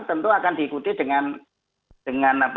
tentu akan diikuti dengan